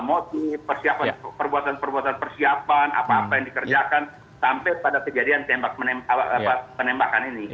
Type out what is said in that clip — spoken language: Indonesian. motif perbuatan perbuatan persiapan apa apa yang dikerjakan sampai pada kejadian penembakan ini